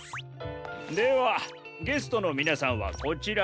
ではゲストのみなさんはこちらへ。